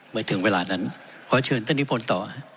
เมื่อถึงเวลานั้นขอเชิญท่านนิพนธ์ต่อ